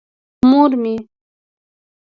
مور مې.